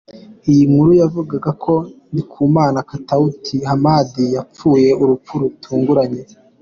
Iyi nkuru yavugaga ko Ndikumana Katawuti Hamadi yapfuye urupfu rutunguranye.